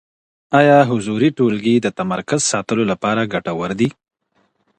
ايا حضوري ټولګي د تمرکز ساتلو لپاره ګټور دي؟